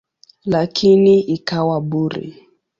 Lakini ikawa bure.